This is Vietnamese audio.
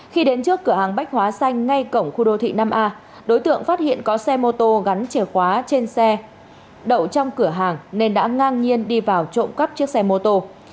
khi đến trước cửa hàng bách hóa xanh ngay cổng khu đô thị năm a đối tượng phát hiện có xe mô tô gắn chìa khóa trên xe đậu trong cửa hàng nên đã ngang nhiên đi vào trộm cắp chiếc xe mô tô